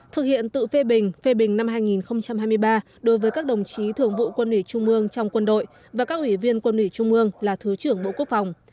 thực hiện tự phê bình phê bình năm hai nghìn hai mươi ba đối với các đồng chí thường vụ quân ủy trung mương trong quân đội và các ủy viên quân ủy trung ương là thứ trưởng bộ quốc phòng